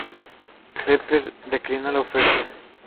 Pepper declinó la oferta.